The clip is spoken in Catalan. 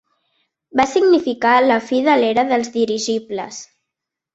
Va significar la fi de l'era dels dirigibles.